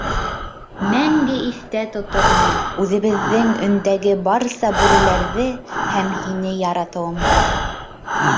Мәңге иҫтә тотормон... үҙебеҙҙең өндәге барса бүреләрҙе һәм һине яратыуымды.